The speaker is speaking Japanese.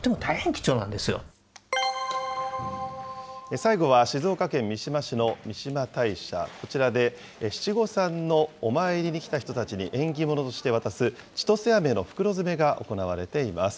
最後は静岡県三島市の三嶋大社、こちらで七五三のお参りに来た人たちに縁起物として渡す、ちとせあめの袋詰めが行われています。